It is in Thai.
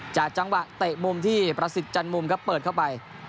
จังหวะเตะมุมที่ประสิทธิ์จันมุมครับเปิดเข้าไป